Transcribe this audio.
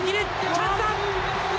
チャンスだ！